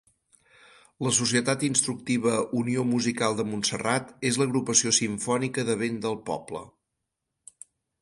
La Societat Instructiva Unió Musical de Montserrat és l'agrupació simfònica de vent del poble.